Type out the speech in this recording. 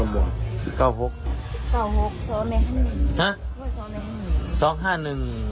๔บาท